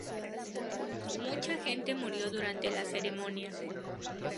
Mucha gente murió durante la ceremonia.